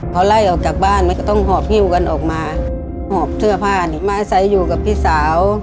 เค้าไล่ออกกับบ้านมันก็ต้องหอบคิ้วกันออกมาหอบเทือผ้านมาใส่อยู่กับพี่สาว